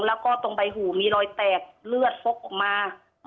แล้วก็ตรงใบหูมีรอยแตกเลือดฟกออกมา